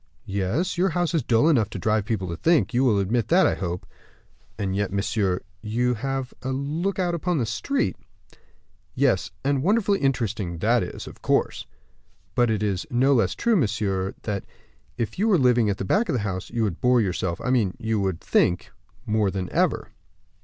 "Yes; your house is dull enough to drive people to think; you will admit that, I hope." "And yet, monsieur, you have a look out upon the street." "Yes; and wonderfully interesting that is, of course." "But it is no less true, monsieur, that, if you were living at the back of the house, you would bore yourself I mean, you would think more than ever."